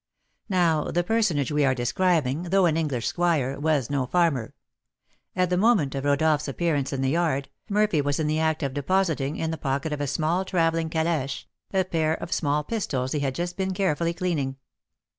Now, the personage we are describing, though an English squire, was no farmer. At the moment of Rodolph's appearance in the yard, Murphy was in the act of depositing, in the pocket of a small travelling caléche, a pair of small pistols he had just been carefully cleaning.